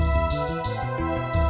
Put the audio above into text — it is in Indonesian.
dia masih ada disana